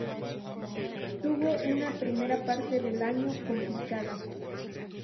Tuvo una primera parte del año complicada.